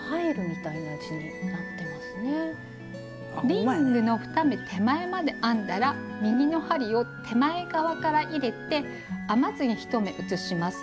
リングの２目手前まで編んだら右の針を手前側から入れて編まずに１目移します。